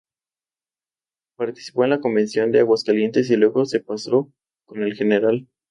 Participó en la Convención de Aguascalientes y luego se pasó con el Gral.